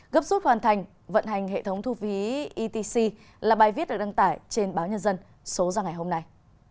gấp rút hoàn thành vận hành hệ thống thu phí etc là bài viết được đăng tải trên báo nhân dân số ra ngày hôm nay